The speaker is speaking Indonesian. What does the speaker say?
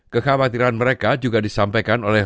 kekhawatiran mereka juga disampaikan oleh